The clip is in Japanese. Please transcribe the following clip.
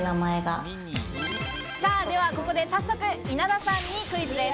では、ここで早速、稲田さんにクイズです。